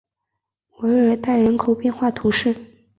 韦尔代人口变化图示